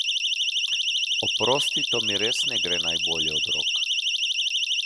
Oprosti, to mi res ne gre najbolje od rok.